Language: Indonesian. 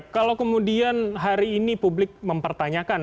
kalau kemudian hari ini publik mempertanyakan